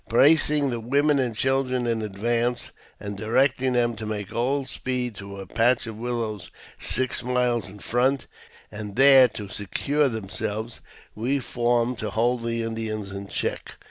Placing the women and children in advance, and directing them to make all speed to a patch of willows six miles in front, and there to secure themselves, we formed to hold the Indians in check.